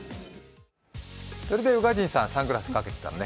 それで宇賀神さんサングラスかけてたんだね。